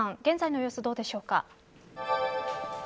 現在の様子、どうでしょうか。